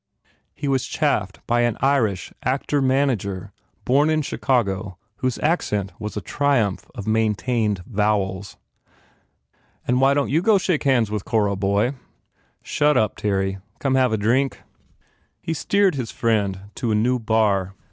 He was chaffed by an Irish actor manager born in Chicago whose accent was a triumph of maintained vowels. "An why don t you go shake hands with Cora, bhoy?" "Shut up, Terry. Come have a drink?" He steered his friend to a new bar.